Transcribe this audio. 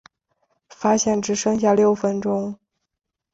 发现只剩下六分钟